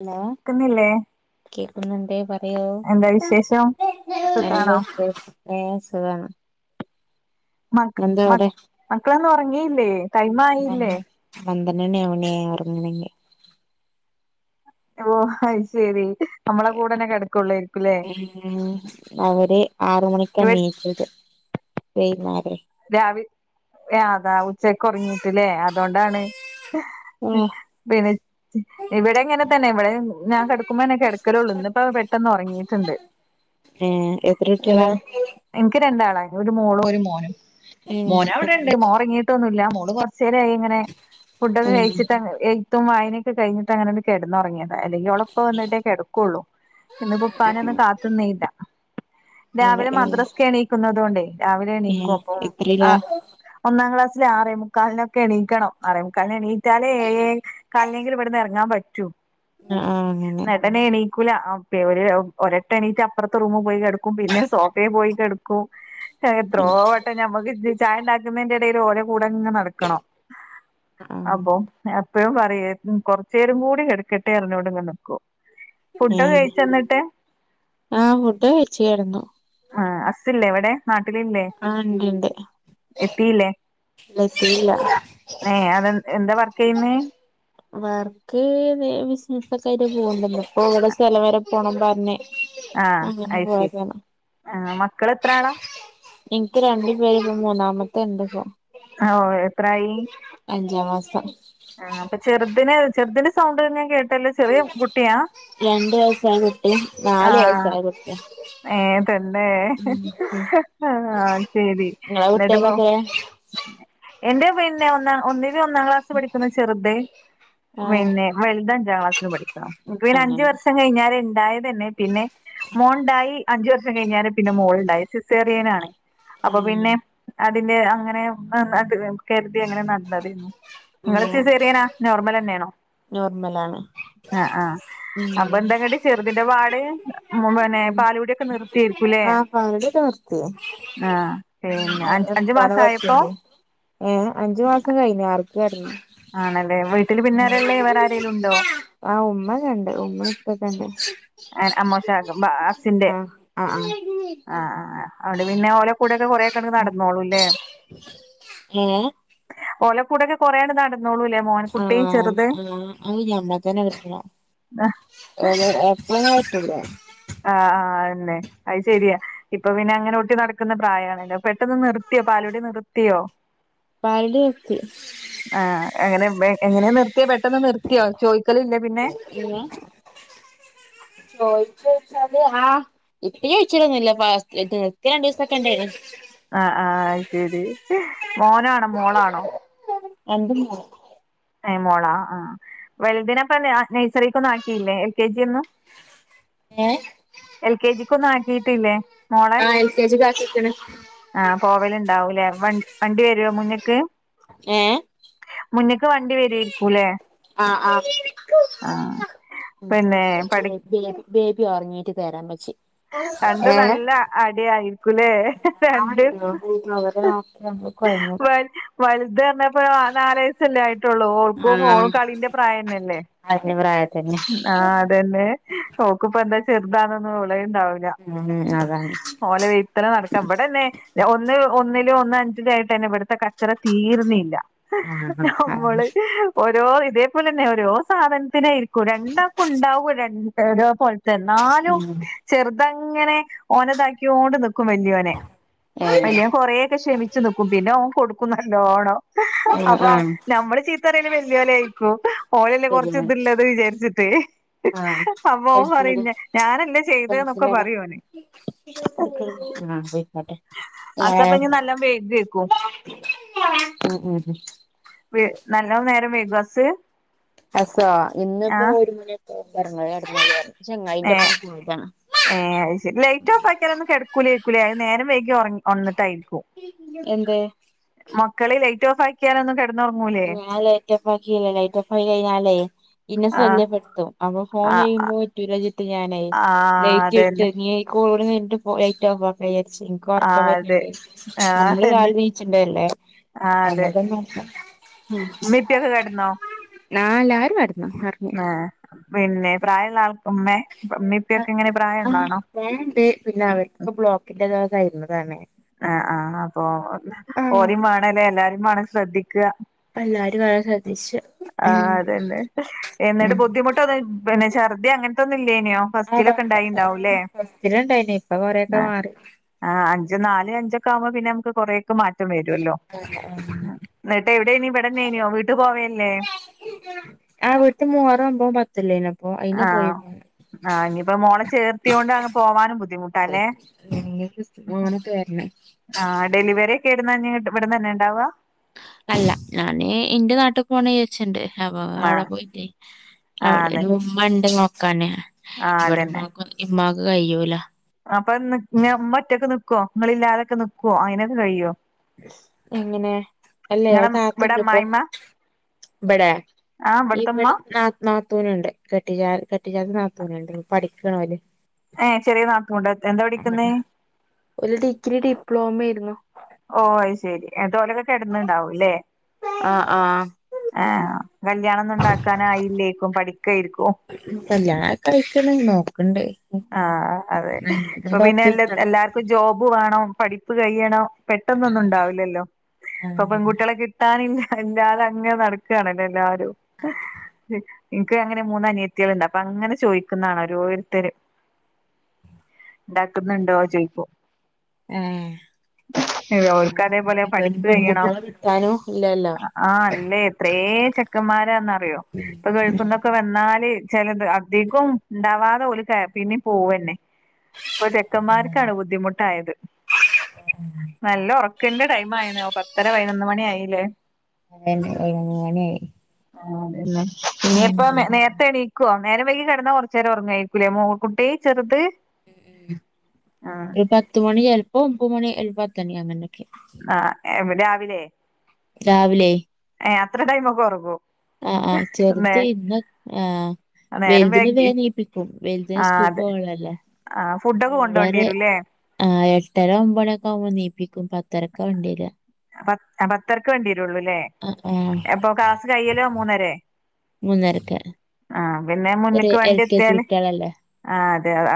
Hello ക്കുന്നില്ലേ കേക്കുന്നുണ്ടേ പർ അയ്യോ എന്താ വിശേഷം നല്ല സുഖാണോ സു ഏ സുഖാണ് മക് എന്താ മക് അവിടെ മക്കളൊന്നു ഒറങ്ങിയില്ലേ ടൈമായില്ലേ നൊന്നണി ആവണേ ഒറന്ങ്ങനെങ്കി വോ അഹ ശരി നമ്മളെ ഏ കൂടെന്നെ കിടക്കുള്ളായിരിക്കുംല്ലേ അവര് ആറ് മണി ക്ക ഇവ നീച്ചത് വൈന്നാ രാവി ഏ അതാവു. ഉച്ചകൊറങ്ങിട്ട്ലേ അതോണ്ടാണ് ഹ് ഹേ പിന്നെ ഇവിടെ ഇങ്ങനെ തന്നെ ഇവിടെ പിനെ ഞാ കെടക്കുമ്പളനെ കെടക്കലൊള്ളൂ ഇന്ന്പ്പ. പെട്ടന്ന് ഒറങ്ങിട്ട്ണ്ട് ഏ എത്ര ഇന്ന് കുട്ടികളാ എൻക്ക് രണ്ടാളായ് ഒരു മോളും ഒരു മോനും. ഏ മോനവ്ട്ണ്ട്. മോൻഒറങ്ങീട്ടൊന്നുല്ല. മോള്ബ ചെരായി ഇങ്ങനെ. ഫുഡൊക്കെ കയ്ച്ചിട്ട് അങ്ങ് എയ്ത്തും. വായനൊക്കെ കയ്ഞ്ഞിട്ടങ്ങനണ്ട് കെടന്നൊറങ്ങ്യാ അല്ലെങ്കി. ഓളുപ്പ വന്നിട്ടേ കെടക്കുള്ളൂ ഇന്ന്പ്പപ്പാനൊന്നും കാത്ത്ന്നീല്ല നല്ല രാവിലെ, ഏ മദ്രസ്ക്കെണീക്കുന്നതുകൊണ്ടേ രാവിലെ എണീക്കൊ എത്രീലാ ഒന്നാക്ലാസ്സിലേ ആറേമുക്കാൽ നൊക്കെ എണീക്കണം. ആറേമുക്കാൽ നെണീറ്റാലേ ഏഴേ കാൽനെങ്കിലും. ഇവിടന്നെറങ്ങാൻ പറ്റൂ അ ആ അങ്ങനെ കുല. ആം ഫേവര് ഒരട്ട എണീറ്റാ അപ്പറത്തെ റൂമ് പോയി കെടക്കും പിന്നെ സോഫേ. പോയി കെട്കു കും ഹ് എത്രോവട്ടം ഞമ്മക്ക് ച് ചായ ണ്ടാക്കുന്നെയ്ന്റെടേല് ഓനെ കുട്ട് ഇങ്ങനെ ന്നടക്കണം ആ അപ്പോ നേർ എപ്പഴും പറയെ കൊറച്ചെരം കൂടി കെട്ക്കട്ടെർഞ് അവ്ടെ ഇങ്ങനെ ന്നിക്കും ഏ ഫുഡോകെ. കയ്ച്ചന്നട്ട് ആ ഫുഡ് കഴിച്ച് കിടന്നു അ ഹസ് സ്സ് ല്ലേ ഇവടെ ന്നാട്ടിലില്ലേ യെന്ത് ലെസ്സിലില്ല ഏ അതെ എന്താ വർ‌ക്കെയ്യുന്നേ വർക്ക് ബിസിനസ്സൊക്കായിട്ട് പോണ്ട് ഇപ്പൊ ഇവിടെ സ്ഥലം വരെ പോണം പറഞ്ഞേ ആഹ, ഐശെരി ആ മക്കളെത്രാളാ എനിക്ക് രണ്ട്പേര് ഇപ്പ മൂന്നാമത്തെണ്ട്പ്പോ അ ഓ എത്രായി അഞ്ചാം മാസം ആ അപ്പചെറ്ത് ദിന് ചെർദിന്റെ സൗണ്ട് ഞാൻ കേട്ട് രണ്ട് വയസാണു ട്ടിം ന്നാല് ആഹ് വയസായ കുട്ടിം ഏ, തന്നെ ഹ്ആശെരി നിങ്ങളെ ന്നട്ട്പോ കുട്ടികൾക്കൊക്കെ എന്റെ പിന്നെ ഒന്നാം ഒന്നില് ഒന്നാം ക്ലാസ്സി പഠിക്കുന്നു ചെറുത്. ആഹ് വിനെ വല്ത് അഞ്ചാം ക്ലാസ് ലു പഠിക്കണം എൻക്ക് പിനെ അഞ്ച് അങ്ങനെ വർഷം കയ്ഞ്ഞാലിണ്ടായതനെ പിന്നെ മോണ്ടായി അഞ്ച് വർഷം കഴിഞ്ഞാണ് പിന്നെ മോള്ണ്ടായത് സിസേറിയനാണ്. അപ്പ പിന്നെ ഉം പിന്നെ അങ്ങന [unintelligible] ന്നമ്ക്ക് കെട് തെ എങ്ങനെ ന്നട്ന്നത്. ഇ ങ്ങളെ ഉം സിസേറിയനാ? നോർമലെന്യാണോ? നോർമലാണ് അ ആ അപ്പെന്താങ്ങട് ചെറുതിന്റെ പാട് മുമെൻ ഏ ഉം പാലുകുടിയൊക്കെ നിർത്തിയേര്ക്കൂലെ ആ പകുതി ഒക്കെ നിർത്തി ആഹ് പിന്നെ അഞ്ച് അഞ്ച് മാസാ യപ്പോ ഏഹ് അഞ്ച് മാസം കയ്ഞ്ഞ ആർക്കടന്നു ആണല്ലേ വീട്ടില് പിന്നാരേഇള്ളേ? വേറാരേലും ഉണ്ടോ? ആ ഉമ്മങ്ങണ്ട് ഉമ്മേം ഉപ്പൊക്ക്‌ ണ്ട് ആൻ അമ്മോഷ ക്ക്‌ ബ അസ്സിന്റെ ആ ആ ആഹ് അവടെ പിന്നെ ഓലക്കൂടെയൊക്കെ കൊറെയൊക്കെ അങ്ങട് ന്നടന്നോളൂല്ലേ? ഏ ഓലകൂ കുടൊക്കെ കൊറേയണ്ട് ന്നട ആഹ് ആഹ് അയ് ഞമ്മൾ തന്നെ വെശ്രാ ആഹ് ഓന് ഏട്ട്ത്തിയാണെ ഒട്ടൂലേ ആ ആ അതനെ അയ് ശെരിയാ ഇപ്പ പിന്നെ അങ്ങനെ ഒട്ടി ന്നടക്കുന്ന പ്രായാണല്ലോ. പെട്ടെന്ന് നിർത്തി യോ പാലൂടി നിർത്തിയോ പാലുടി നിർത്തി മെ എങ്ങനെ നിർത്ത് ത്തി പെട്ടെന്ന് നിർത്തിയോ ചോയ്ക്കലില്ലേ പിന്നെ? പിന്നെ അതെ ആ ഇപ്പ ചോയ്ച്ചലൊന്നില്ല പാസ് ഇത് നിർത്യ രണ്ടീസൊക്കെ ഇണ്ടായ്ന് ആഹ് ആഹ് ഐശെരി മോനാണോ മോളാണോ? രണ്ടും പോയി ഏ മോളാ ആ വൽതിനിപ്പന്തെയ് ആഷ് നഴ്സറിക്കൊന്നും ആക്കില്ലേ എൽ കെ ജി ഒന്നും ഏഹ് ഒന്നും ആക്കിട്ടില്ലേ മോളെ കെ ജിക്ക് ആക്കിക്ക്ണ് ആഹ് പോവലുണ്ടാവൂല്ലേ വ വണ്ടി വരുവോ മുന്നിക്ക് ഏഹ് മുന്നേക്ക് വണ്ടി വരുയായിരിക്കൂല്ലേ? ആഹ് ആഹ് പിന്നെ പഠി [inaudible] അറിഞ്ഞിട്ട് തരാൻ വെച്ചി രണ്ടു നല്ല അടി ആയിരിക്കൂലേ രണ്ട് അവരെ നോക്കി നമ്മള് കൊഴങ്ങും വ വലുത് പറഞ്ഞപ്പോ നാലവയസ്സല്ലേ ആയിട്ടുള്ളു ഓൾക്ക് ഓ ആഹ് കളിന്റെ പ്രായം തന്നെ അതിന്റെ പ്രായത്തിന്നെ ആഹ് അതന്നെ ഓൾക്കപ്പ എന്താ ചെറുതാണൊന്നന്ന് വിളുണ്ടാവ ഉം അതാണ് ഓല വൈത്തന ഭടന്നേ നടക്കാം ഇവിടെന്നെ ഒന്ന് ഒന്ന ഒന്നഞ്ചിലായിട്ട് തന്നെ ഇവിടുത്തെ കച്ചറ തീർന്നില്ല. ആഹ് അതാണ് നമ്മള് ഒറ്റ ഓ ഇതേപോലെ തന്നെ ഓരോ സാധനത്തിനായിരിക്കും രണ്ടാൾക്കും ഉണ്ടാവൂം രണ്ട് ഒരേപോലത്തെ എന്നാലും ഉം ചെറുതങ്ങനെ ഓനതാക്കിക്കൊണ്ട് നിക്കും. വല്യോനെ ഏഹ് വലിയവൻ കൊറെയൊക്കെ ക്ഷമിച്ചു നിക്കും. പിന്നെ ഓൻ കൊടുക്കും നല്ലോണം ഉം അപ്പൊ നമ്മള് ചീത്ത പറയല് വലിയവനെ ആയിരിക്കും ഓനല്ലേ കൊറച്ച് ശരിയാണ് ഇതുള്ളത് വിചാരിച്ചിട്ട് ആഹ് അപ്പോ അവൻ പറയും ഞാനല്ലേ ചെയ്തേന്ന് ഇല്ലല്ല ആഹ് പോയിക്കോട്ടെ ആഹ് അസപ്പ ഇനി നല്ലോം വൈകിയേക്കും ഉം ഉം വേ നല്ല നേരം വേഗാസ് അസാ ഇന്നിപ്പോ ഒരു മണിയൊക്ക റങ്ങ [unintelligible] ആയിരുന്നു ഏ ഏ ശരി ലൈറ്റ് ഓഫ് ആക്കിയാലൊ ന്നും കിടക്കൂല്ല നേരം വൈകി ഉറങ്ങി ഒണന്നിട്ടായിരിക്കും. എന്തേ മക്കളെ ലൈറ്റ് ഓഫ് ആയി ക്യലൊന്നും ഞാൻ ലൈറ്റ് ഓഫാക്കിയില്ല. ലൈറ്റ് ഓഫാക്കിക്കഴിഞ്ഞാലേ ഇന്നെ ആഹ് ശല്യപ്പെടുത്തും അപ്പൊ ഫോൺ ആഹ് ചെയ്യുമ്പോ പറ്റുല ചിട്ട് ഞാനെ ആഹ് ലൈറ്റ് എടുത്ത് അതന്നെ നീ ഈ കൂടെ നിന്നിട്ട് പോയ ലൈറ്റ് ഓഫ്‌ ആക്കാൻ പക്ഷെ എനിക്ക് ഉറക്കം ആഹ് അതെ വരണുണ്ട് ആഹ് നമ്മള് അതന്നെ രാവിലെ നീയിച്ചിണ്ടല്ലേ ആഹ് അതെ [unintelligible] ഉമ്മേം ഉപ്പയുമൊക്കെ കിടന്നോ ആ എല്ലാരും കെടന്നു ഒറങ്ങി ആ പിന്നെ പ്രായമുള്ള ആൾക്ക ഉമ്മേ ഉമ്മേം ഉപ്പേം ആ ഒക്കെ എങ്ങനെ ആ പ്രായള്ളാണോ ഞാനുണ്ട് പിന്നെ അവർക്ക് ബ്ലോക്കിന്റെതായിരുന്നതാണേ ആ അപ്പൊ ഓരിം വാണംല്ലേ എല്ലാരുംവാണം ശ്രദ്ധിക്ക അല്ലാരും [unintelligible] ആഹ് അതെന്നെ എന്നിട്ട് ബുദ്ധിമുട്ടൊന്നും പിന്നെ ഛർദ്ദി അങ്ങനത്തൊന്നും ഇല്ലേനെയോ ആ ഫസ്റ്റിലൊക്കെ ഉണ്ടായി ഇണ്ടാവുല്ലേ ഫസ്റ്റിലുണ്ടായിനി ഇപ്പൊ ആ കൊറെയൊക്കെ മാറി ആ അഞ്ച് നാല് അഞ്ചൊക്കെ ആവുമ്പോ പിന്നെ നമുക്ക് കൊറെ ക്ക് മാറ്റം വരുമല്ലോ ഏഹ് എന്നിട്ട് എവിടെനി ഇവിടെന്നേനു വീട്ട് പോ ആ വീട്ട് മുഹറം ഒൻപതും പത്തും ഇല്ലെനി അപ്പൊ അയിന് പോയി ആഹ് ആഹ് ഇനിയിപ്പോ മോളെ ചേർത്തിയൊണ്ട് അങ്ങ് പോവാനും ബുദ്ധിമുട്ടാല്ലേ അങ്ങനൊക്കെ വരണേ ആ ഡെലിവറിക്കെ ഏടന്ന നി ഇവിടന്ന് തന്നെ ഉണ്ടാവ അല്ല ഞാന് എന്റെ നാട്ടിൽ യച്ഛന്റെ അപ്പ അവിടെ ആഹ് പോയിട്ടേ ആഹ് അവിടെ അതെ ഒരു ഉമ്മണ്ട് നോക്കാന് ആഹ് ഇവിടെ അതന്നെ ഉമ്മാക്ക് ഉമ്മാക്ക് കയ്യൂല അപ്പൊ ന്ന് ഞ് ഉമ്മ ഒറ്റക്ക് നിക്കോ ഇങ്ങളില്ലാതൊക്കെ നിക്കോ അതിനൊക്കെ കഴിയോ എങ്ങനെ അല്ല ഇവിടെ നിങ്ങളെ താത്ത ഉണ്ട് ഇപ്പൊ അമ്മായിമ്മ ബടെ ആഹ് ഇവിടത്തെ ഉമ്മ ഇവിടെ ന നാത്തൂനുണ്ട് കട്ടിജാ കട്ടിജാത്ത നാത്തൂനുണ്ട് പഠിക്കണ് ഓല് ഏ ചെറിയ നാത്തൂൻ ഉണ്ടോ എന്താ പടിക്ക്ന്നേ പ്ലോമയിരുന്നു എത് ഓലൊക്കെ കിടന്ന്ണ്ടാവും ല്ലെ ആഹ് ആഹ് ആഹ് കല്യാണ ഒന്നും ഉണ്ടാക്കാൻ ആയില്ലേക്കും പഠിക്കായിരിക്കും ഞാ [unintelligible] ആഹ് അതെ നല്ലത് ഇപ്പൊ പിന്നെ പത്ത് എ കിട്ടണം എല്ലാർക്കും ജോബ് വേണം പഠിപ്പ് കഴിയണം പെട്ടന്നൊന്നും ഉണ്ടാവില്ലല്ലോ ഇപ്പൊ ആഹ് പെൺകുട്ടികളെ കിട്ടാനില്ല എല്ലാരും അങ്ങനെ നടക്കുകണല്ലോ എല്ലാരും എനിക്ക് അങ്ങനെ മൂന്ന് അനിയത്തികൾ ഉണ്ട് അപ്പൊ അങ്ങനെ ചോദിക്കുന്നതാണ് ഓരോരുത്തര് ഉണ്ടാക്കുന്നുണ്ടോ ചോയിക്കും ഏഹ് ഏഹ് ഓർക്കു ആഹ് അതേപോലെ ഇപ്പയ്ന് പഠിപ്പ് കഴിയണം പെൺകുട്ട്യാളെ കിട്ടാനും ഇല്ലല്ലോ ആ അല്ലേ എത്രയേ ചെക്കന്മാരാന്നറിയോ ഇപ്പൊ ഗൾഫിൽന്നൊക്കെ വന്നാല് ചിലത് അധികം ഉണ്ടാവാതെ ഓല് പിന്നേം പോവന്നെ ഇപ്പൊ ചെക്കന്മാർക്കാണ് ബുദ്ധിമുട്ടായത് നല്ല ഉറ [unintelligible] ടൈം ആയിനോ പത്തര പതിനൊന്ന് മണി ആയില്ലേ അതെ അതെ [unintelligible] ആ ഇനി ഇപ്പ നേരത്തെ എണീക്കുവോ നേരം വൈകി കിടന്നാ കൊറച്ചു നേരം ഉറങ്ങും ആയിരിക്കൂല്ലേ മോ [unintelligible] ചെറുത് ഉം ആഹ് ഒരു പത്തു മണി ചിലപ്പോ ഒമ്പത് മണി [unintelligible] അങ്ങനെ ആഹ് ഏഹ് രാവിലെ രാവിലെ ഏ അത്ര ടൈമക്കെ ഉറങ്ങോ ആഹ് ആഹ് ചെറുത് ഇന്ന് ആഹ് നേരം വെലുതിനെ വൈകി വേദനിപ്പിക്കും വെലുതിന് ആഹ് സ്കൂളിൽ അതെ പോകാനുള്ളതല്ലേ ആഹ് ഫുഡൊക്കെ കൊണ്ടോണ്ടി ഇവരെ വരൂല്ലേ ആ എട്ടര ഒമ്പത് മണിയൊക്കെ ആവുമ്പോ എനീപ്പിക്കും പത്തരക്ക വണ്ടീ വരുക പ പത്തരക്ക് വേണ്ടി വരുള്ളുല്ലേ ആഹ് ആഹ് അപ്പൊ ക്ലാസ് കഴിയല്ലോ മൂന്നരേ മൂന്നരക്ക് ആഹ് പിന്നെ ചെറിയ മുന്ന്ക്ക് എൽ വണ്ടി കെ ജി എത്തിയാല് കുട്ട്യാളല്ലേ ആ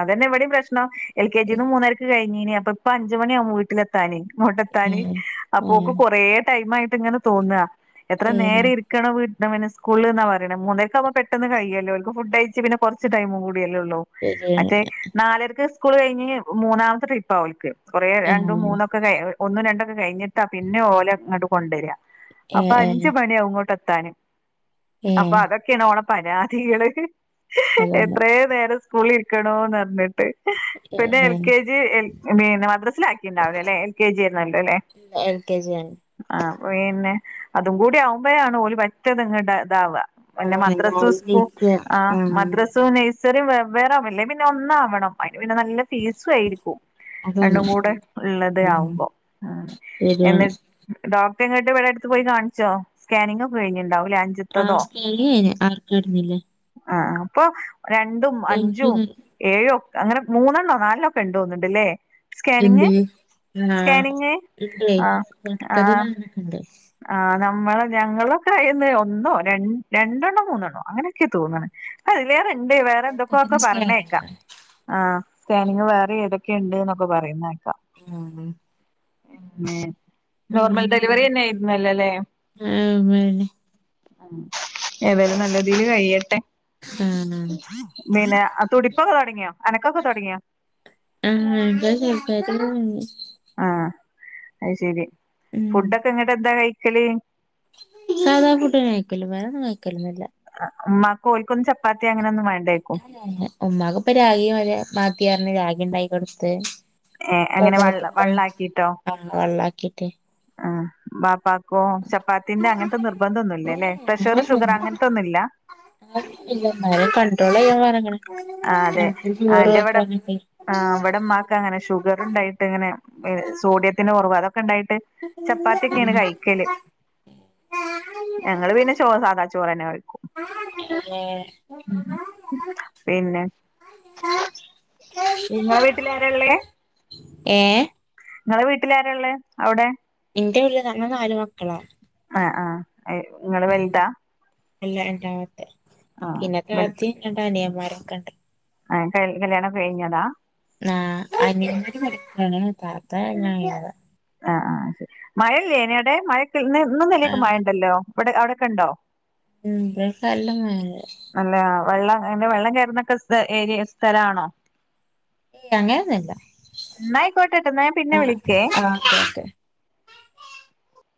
അതന്നെവേടിം പ്രശ്നം എൽ കെ ജിന്ന് മൂന്നരക്ക് കേഴ്ഞ്ഞീന്നീ അപ്പാ ഇപ്പാ അഞ്ച് മണിയാവും വീട്ട്ലെത്താനെ ഇങ്ങോട്ടെത്താന് ഏഹ് അപ്പോക്ക് ആഹ് കൊറെ ടൈം ആയിട്ട് ഇങ്ങനെ തോന്നാ എത്ര ഏഹ് നേരം ഇരിക്കണം വീ ന്റാ മോന് പിന്നെ സ്കൂള്ന്നാ പറിണ് മൂന്നരക്ക് ആക്മ്പോ പെട്ടെന്ന് കെയ്യല്ലോ ഓൽക്ക് ഫുഡ്‌യിച്ച് പിന്നെ കൊർച്ച്‌ ടൈമും കൂ ല്ലോള്ളൂ ശരിയാണ് മറ്റേ നാലരക്ക് സ്കൂള് കയ്ന് മൂന്നാമത്തെ ട്രിപ്പാ ഓൽക്ക്‌ കൊറെ രണ്ടും ആഹ് മൂന്നൊക്കെ കൈ ഒന്നും രണ്ടൊക്കെ കെയ്ഞ്ഞ്ട്ടാ പിന്നെ ഓലെ ഇങ്ങട്ട് കൊണ്ടെരാ അപ്പാ ഏഹ് അഞ്ച് ഏഹ് മണിയാവും ഇങ്ങോട്ട് എത്താന് അപ്പാ ഏഹ് അതൊക്കെണ് ഓളെ പരാതികള് അതാണ് എത്രേ നേരം സ്കൂളില് ഇരിക്കണോന്ന് പറ്ഞ്ഞിട്ട് പിന്നെ എൽ ഏഹ് കെ ജി എ മീ മദ്രാസില് ആക്കിണ്ടാറ്ന്നിലാ എൽ കെ ജി ല്ലാർന്നല്ലോല്ലേ എൽ കെ ജി ആണ് ആ പിന്നെ അതും കൂടി ആവുമ്പഴാണ് ഒര് പറ്റാത്ങ്ങട്ട് താവാ പിന്ന അതാണ് മദ്രാസു രാവിലെ സ്കൂ നീക്കുക ആ ആഹ് മദ്രാസു നയ് സറി വേവ്വേറെ ആവല്ലേ പിന്നെ ഒന്നാവണം അ യ്‌ന് പിന്നെ നല്ല പീസും ആയ്രിക്കും അതാണ് രണ്ടും കൂടെള്ളത് ഉം ആവുമ്പോ ആ ശരിയാണ് ഡോക്ട്ടറങ്ങട്ട് ഇവടെ ടുത്ത് പോയി കാണിച്ചോ സ്കാനിംഗ് ഒക്കെ കെയ്ഞ്ഞ് ണ്ടാവുല്ലെ, അഞ്ച്ത്തതോ ക്ലാസ് കഴിഞ്ഞ് ആർക്കായിരുന്നില്ലേ ആ ആ ഇപ്പൊ, രണ്ടും, അഞ്ചും, ഏഴും അങ്ങനെ മൂന്നണോ നാലണോ ഒക്കെ ഇണ്ട് തോന്നുന്നില്ലേ. എന്തെ, ആഹ ഏയ് ആഹ് [unintelligible] അങ്ങനെയൊക്കെയുണ്ട് അ, നമ്മള് ഞങ്ങളൊക്കെ, ആയാന്ന് ഒന്നോ ര രണ്ടെണ്ണോ മൂന്നെണ്ണോ, അങ്ങനൊക്കെ തോനുന്നു. അഹ്, ആയിലെറുണ്ട് വേറെന്തൊക്കെഒക്കെ, തുടക്കത്തില് പറന്നകേൾക്ക സ്കാനിങ്ങാ ആ. സ്കാനിംഗ്, വേറീം ഏതൊക്കെ ഇണ്ട് നപറയുന്ന കേൾ ഉം ഉം ഉം, നോർമൽ ഡെലിവറിന്നെയിരുന്നാലല്ലേ [unintelligible] അം, ഏതായാലും നല്ല രീതില് കെയ്യട്ടെ. ആഹ് പിന്നെ, തുടിപ്പൊക്കെ തൊടങ്ങിയോ അനക്കൊക്കെ, തൊടങ്ങിയോ. ആഹ് [unintelligible] ചെറുതായിട്ടൊക്കെ [unintelligible] ആഹ, ആയിശേരി ഉം ഫുഡൊക്കെ, എന്നിട് എന്താ കഴിക്കല്. സാധാ, ഫുഡെന്നേ കഴിക്കാല് വേറൊന്നും, കഴിക്കാലോന്നുല്ല. ഉമ്മാക്കും ഓൽക്കൊന്നും ചപ്പാത്തി അങ്ങനൊന്നും വേ ഉമ്മാക്ക് ഇപ്പ രാഗി മതി മാത്തി പറഞ്ഞ് രാഗി ഇണ്ടായി കൊട്ത്ത് ഏ അങ്ങനെ ഏതായിട്ട് വള്ള ഇപ്പാ വള്ളാക്കിട്ടോ ആ വല്ലാക്കിട്ട് ആ ബാപ്പാ കോ ചപ്പാത്തിന്റെ അങ്ങൻത്തെ നിർബന്ധം ഒന്നുല്ലല്ലേ പ്രശറ് ഷുഗറ് അങ്ങൻത്തൊന്നുല്ലാ ആ ഇല്ല ന്നാലും കഡ്രോള്യ്യാൻ പർഞ്ഞ്ക്ണ് ആ അതെ ആ രാ എന്റെവിടെ ചോറ് വക്കാ ആ ഇവടെ ഇമ്മാക്കങ്ങനെ ഷുഗറ് ഇണ്ടായിട്ട് ഇങ്ങനെ സോഡിയത്തിന് കൊറവ് ചപ്പാത്തിക്കെണ് ഉം. കഴിക്കല് ഞങ്ങള് പിന്നെ ചോ സാദാ ചോറന്നെ കഴിക്കും പിന്നെ നിങ്ങളെ വീട്ടില് ആരള്ളേ ഏ ഇങ്ങളെ വീട്ടിലാരാ ഒള്ളെ അവടെ എന്റെയില്ല ഞങ്ങള് നാല് മക്കളാ അ ആ ഇങ്ങള് ഉം വെൽതാ അല്ല രണ്ടാമത്തെ പിന്നെ താത്തിം രണ്ട് അനിയമാരൊക്കെണ്ട് ആ കല്യാണം കഴിഞ്ഞതാ ആ അനിയൻ പഠിക്കാണ് താത്ത കല്യാണം കയിഞ്ഞതാ ആ ആ ശെരി മഴയില്ലേനി അവടെ മഴക്ക്‌ ഇന്നും ആ ഇന്നലെയൊക്കെ മഴയുണ്ടല്ലോ ഇബടെ അവടൊക്കെ ഒണ്ടോ ഉം, ഇബാടയൊക്കെ നല്ല മിഴിട്ട് നല്ല വെള്ളം, അങ്ങനെ വെള്ളംകയറുന്നൊക്കെ, ഏരി സ്ഥലമാണോ. ഏയ്, അങ്ങനൊന്നില്ല. എന്നാ ആയിക്കോട്ടെട്ടോ എന്നാ ഞാൻ ആ പിന്നെ വിളിക്കേ ആ ഓക്കെ ഓക്കെ